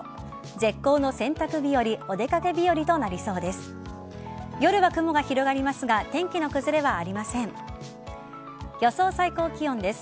絶好の洗濯日和お出かけ日和となりそうです。